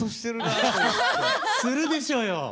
するでしょうよ！